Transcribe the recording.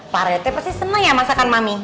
pak rt pasti seneng ya masakan mami